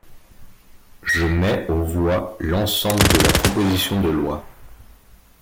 Je mets aux voix l’ensemble de la proposition de loi.